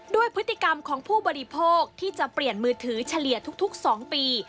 ด้วยพฤติกรรมของผู้บริโภคที่จะเปลี่ยนมือถือเฉลี่ยทุก๒ปี